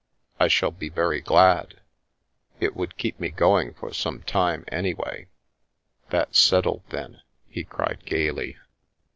I shall be very glad. It would keep me going for some time, anyway !" "That's settled then!" he cried gaily.